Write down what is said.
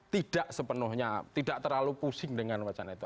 tidak sepenuhnya tidak terlalu pusing dengan wacana itu